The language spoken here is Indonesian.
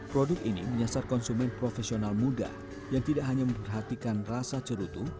produk ini menyasar konsumen profesional muda yang tidak hanya memperhatikan rasa cerutu